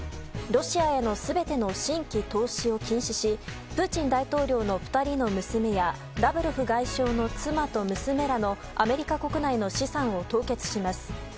ロシアへの全ての新規投資を禁止しプーチン大統領の２人の娘やラブロフ外相の妻と娘らのアメリカ国内の資産を凍結します。